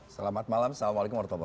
selamat malam assalamualaikum wr wb